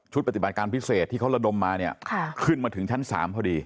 ปฏิบัติการพิเศษที่เขาระดมมาเนี่ยขึ้นมาถึงชั้น๓พอดี